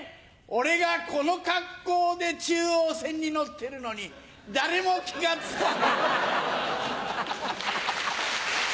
俺がこの格好で中央線に乗ってるのに誰も気が付かねえ。